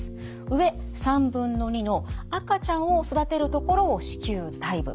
上３分の２の赤ちゃんを育てる所を子宮体部。